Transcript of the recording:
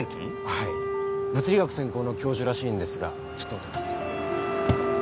はい物理学専攻の教授らしいんですがちょっと待ってください